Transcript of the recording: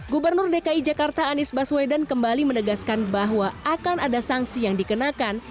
gubernur dki jakarta anies baswedan kembali menegaskan bahwa akan ada sanksi yang dikenakan